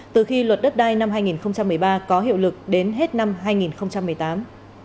từ khi luật đất đai năm hai nghìn một mươi ba có hiệu lực đến hết năm hai nghìn một mươi tám